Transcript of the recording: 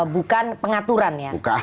bukan pengaturan ya